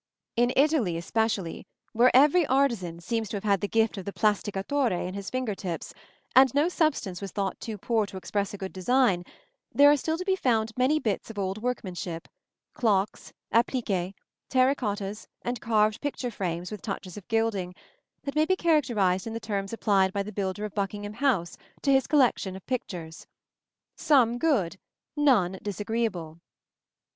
In Italy especially, where every artisan seems to have had the gift of the plasticatore in his finger tips, and no substance was thought too poor to express a good design, there are still to be found many bits of old workmanship clocks, appliques, terra cottas, and carved picture frames with touches of gilding that may be characterized in the terms applied by the builder of Buckingham House to his collection of pictures: "Some good, none disagreeable."